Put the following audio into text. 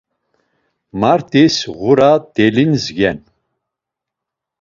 Mart̆is ğura delingzen.